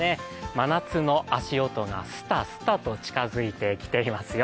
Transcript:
真夏の足音がすたすたと近づいてきていますよ。